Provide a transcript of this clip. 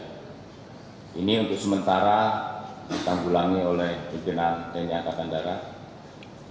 jumlah itu sudah diserahkan oleh pihak tni sebagai ganti rugi